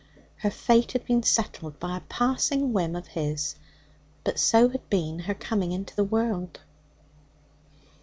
Her fate had been settled by a passing whim of his, but so had been her coming into the world.